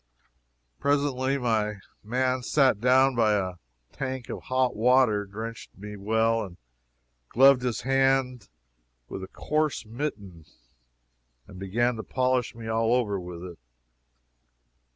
Presently my man sat me down by a tank of hot water, drenched me well, gloved his hand with a coarse mitten, and began to polish me all over with it.